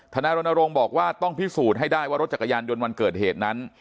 นายรณรงค์บอกว่าต้องพิสูจน์ให้ได้ว่ารถจักรยานยนต์วันเกิดเหตุนั้น